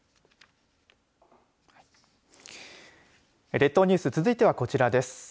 列島ニュース続いては、こちらです。